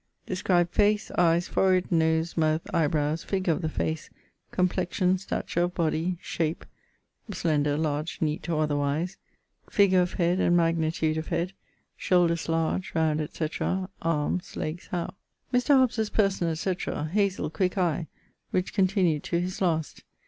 _> Describe face, eyes, forehead, nose, mouth, eyebrows, figure of the face, complexion; stature of body; shape (slender, large, neat, or otherwise); figure of head and magnitude of head; shoulders (large, round, etc.); arms, legs, how? Mr. Hobbes's person, etc.: hazel, quick eie, which continued to his last.